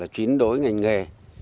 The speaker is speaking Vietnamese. chuyến đối ngành nghề